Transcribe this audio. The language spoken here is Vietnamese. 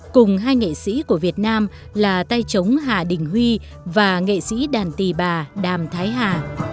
cùng hai nghệ sĩ của việt nam là tay chống hà đình huy và nghệ sĩ đàn tì bà đàm thái hà